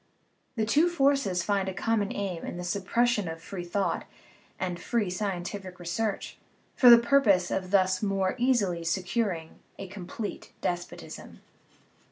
The two forces find a common aim in the suppression of free thought and free scientific research, for the purpose of thus more easily securing a complete despotism.